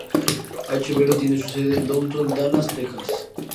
H. Belo tiene su sede en Downtown Dallas, Texas.